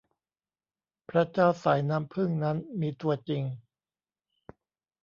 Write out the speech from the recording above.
พระเจ้าสายน้ำผึ้งนั้นมีตัวจริง